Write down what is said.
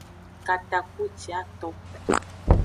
Katakpuciaton.